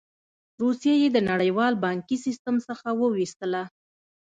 روسیه یې د نړیوال بانکي سیستم څخه وویستله.